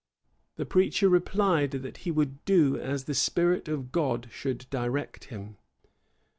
The preacher replied, that he would do as the Spirit of God should direct him.